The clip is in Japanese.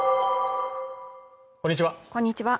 こんにちは